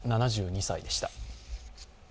７２歳でした。